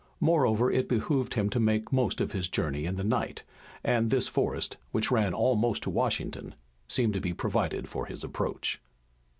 Moreover, it behooved him to make most of his journey in the night, and this forest, which ran almost to Washington, seemed to be provided for his approach.